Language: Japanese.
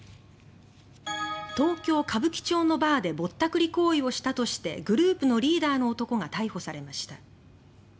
東京・歌舞伎町のバーでぼったくり行為をしたとしてグループのリーダーの男が逮捕されました。